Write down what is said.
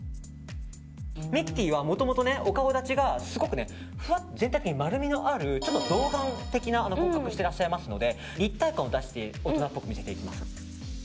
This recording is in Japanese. ミキティはもともとお顔立ちがすごくふわっと全体的に丸みのある童顔的な骨格をしてらっしゃいますので立体感を出して大人っぽく見せていきます。